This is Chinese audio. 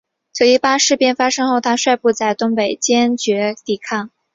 九一八事变发生后他率部在东北坚决抵抗。